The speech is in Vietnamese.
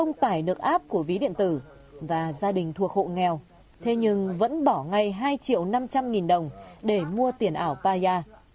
nước áp của ví điện tử và gia đình thuộc hộ nghèo thế nhưng vẫn bỏ ngay hai triệu năm trăm linh nghìn đồng để mua tiền ảo paya